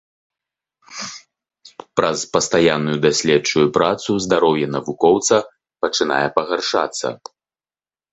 Праз пастаянную даследчую працу здароўе навукоўца пачынае пагаршацца.